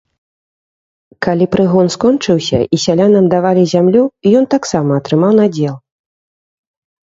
Калі прыгон скончыўся і сялянам давалі зямлю, ён таксама атрымаў надзел.